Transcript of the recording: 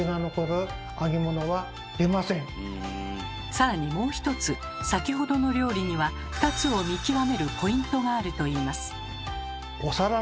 さらにもう一つ先ほどの料理には２つを見極めるポイントがあるといいます。